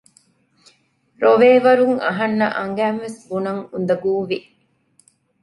ރޮވޭ ވަރުން އަހަންނަށް އަނގައިންވެސް ބުނަން އުނދަގޫވި